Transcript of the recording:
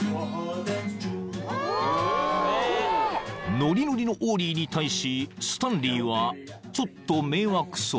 ［ノリノリのオーリーに対しスタンリーはちょっと迷惑そう］